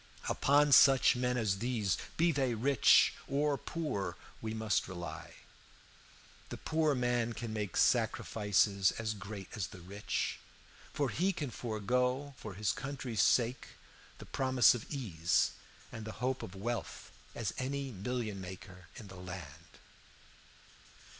Upon such men as these, be they rich or poor, we must rely. The poor man can make sacrifices as great as the rich, for he can forego for his country's sake, the promise of ease and the hope of wealth as well as any million maker in the land.